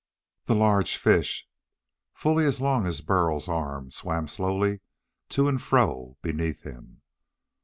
The large fish, fully as long as Burl's arm, swam slowly to and fro beneath him.